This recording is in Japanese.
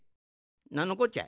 なんのこっちゃ？